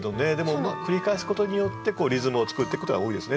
繰り返すことによってリズムを作ってくことが多いですね